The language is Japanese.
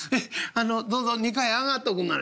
どうぞ２階へ上がっておくんなはれ」。